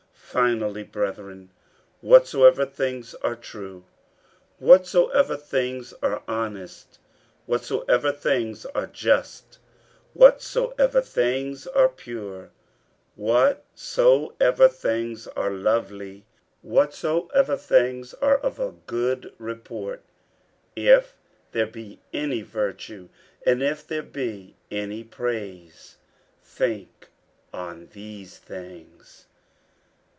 50:004:008 Finally, brethren, whatsoever things are true, whatsoever things are honest, whatsoever things are just, whatsoever things are pure, whatsoever things are lovely, whatsoever things are of good report; if there be any virtue, and if there be any praise, think on these things.